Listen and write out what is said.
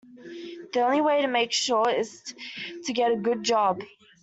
The only way to make sure is to get a good job